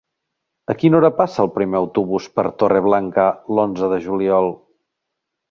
A quina hora passa el primer autobús per Torreblanca l'onze de juliol?